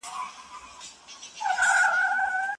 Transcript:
چا ته لا سکروټي یم سور اور یمه